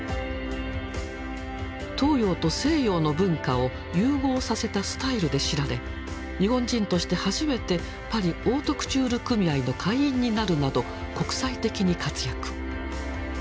東洋と西洋の文化を融合させたスタイルで知られ日本人として初めてパリ・オートクチュール組合の会員になるなど国際的に活躍。